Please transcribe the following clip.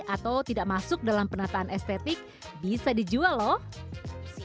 atau tidak masuk dalam penataan estetik bisa dijual lho